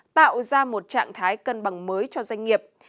tạo ra một trạng thái cân bằng mới cho doanh nghiệp